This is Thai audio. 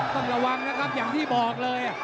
ต้องระวังนะครับอย่างที่บอกเลย